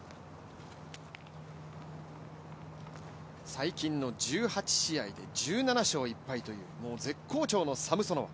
最近の１８試合で１７勝１敗というもう絶好調のサムソノワ。